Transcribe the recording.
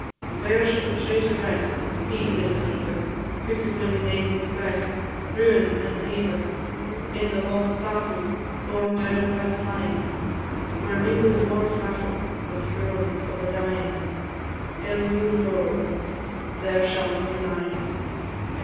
Where shall the traitor rest, He, the deceiver, Who could win maiden's breast, Ruin, and leave her? In the lost battle, Borne down by the flying, Where mingle war's rattle With groans of the dying. Eleu loro, &c. There shall he be lying.